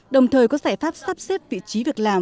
đồng thời có giải pháp sắp xếp vị trí việc làm